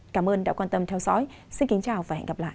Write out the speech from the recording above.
cảm ơn đã quan tâm theo dõi xin kính chào và hẹn gặp lại